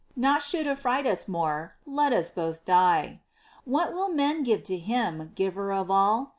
Naught should affright us more Let us both die ! What will men give to Him, Giver of all